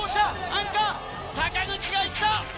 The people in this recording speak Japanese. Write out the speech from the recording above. アンカー坂口が行った！